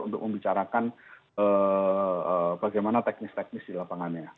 untuk membicarakan bagaimana teknis teknis di lapangannya